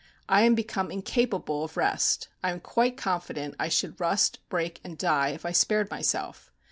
I am become incapable of rest. I am quite confident I should rust, break, and die if I spared myself.